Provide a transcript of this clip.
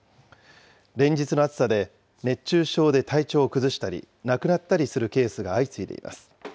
連日の暑さで熱中症で体調を崩したり亡くなったりするケースが相次いでいます。